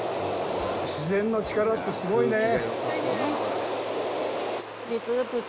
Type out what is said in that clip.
自然の力ってすごいねぇ。